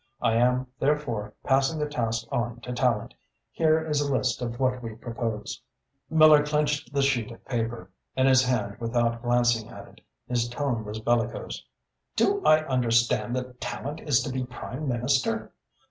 I am therefore passing the task on to Tallente. Here is a list of what we propose." Miller clenched the sheet of paper in his hand without glancing at it. His tone was bellicose. "Do I understand that Tallente is to be Prime Minister?"